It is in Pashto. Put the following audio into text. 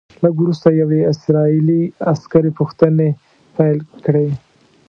لږ وروسته یوې اسرائیلي عسکرې پوښتنې پیل کړې.